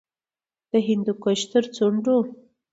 د هندوکش تر څنډو